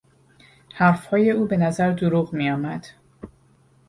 حرفهای او به نظر دروغ میآمد.